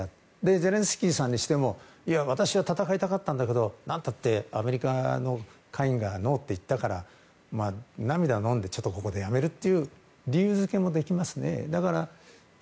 ゼレンスキーさんにしても私は戦いたかったんだけど何て言ったって、アメリカの下院がノーと言ったから涙をのんで、ここでやめるという理由づけもできます。